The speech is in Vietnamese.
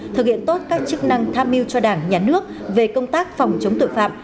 thực hiện tốt các chức năng tham mưu cho đảng nhà nước về công tác phòng chống tội phạm